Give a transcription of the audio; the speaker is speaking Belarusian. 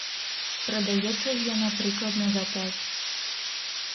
Прадаецца ж яна прыкладна за пяць.